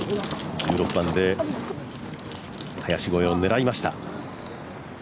１６番で林越えを狙いました。